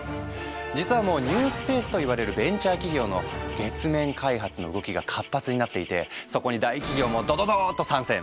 実はもう「ニュースペース」といわれるベンチャー企業の月面開発の動きが活発になっていてそこに大企業もドドドーッと参戦。